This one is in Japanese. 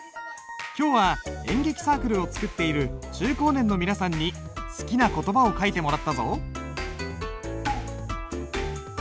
今日は演劇サークルを作っている中高年の皆さんに好きな言葉を書いてもらったぞ。